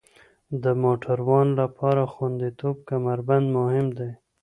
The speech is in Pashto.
د موټروان لپاره خوندیتوب کمربند مهم دی.